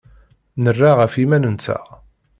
Nerra ɣef yiman-nteɣ.